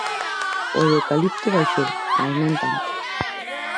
O do eucalipto baixou, mais non tanto.